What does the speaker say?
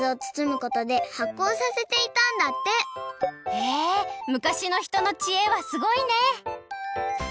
へえ昔のひとのちえはすごいね！